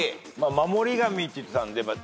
守り神と言ってたんで。